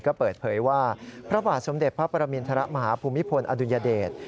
ก็เปิดเผยว่าพระบาทสมเด็จพระปรมินทรมาฮภูมิพลอดุลยเดช